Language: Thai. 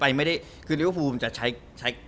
อีกรูปป้องว่าจะใช้